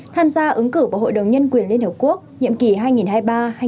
tham gia ứng cử vào hội đồng nhân quyền liên hợp quốc nhiệm kỳ hai nghìn hai mươi ba hai nghìn hai mươi một